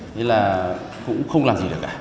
thế là cũng không làm gì được cả